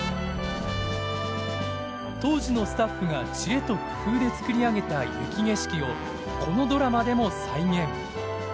当時のスタッフが知恵と工夫で作り上げた雪景色をこのドラマでも再現。